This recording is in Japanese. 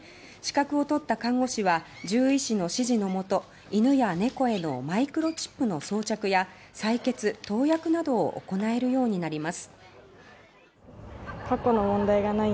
資格を取った看護師は獣医師の指示のもと犬や猫へのマイクロチップの装着や採血投薬などを行えるようになります。